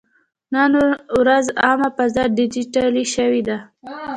نن ورځ عامه فضا ډیجیټلي شوې ده.